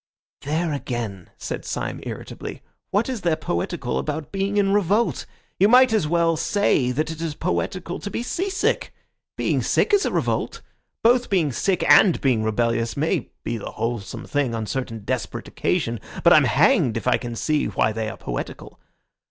"There again," said Syme irritably, "what is there poetical about being in revolt? You might as well say that it is poetical to be sea sick. Being sick is a revolt. Both being sick and being rebellious may be the wholesome thing on certain desperate occasions; but I'm hanged if I can see why they are poetical.